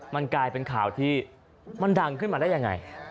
มันกลายเป็นข่าวที่มันดังขึ้นมาได้ยังไง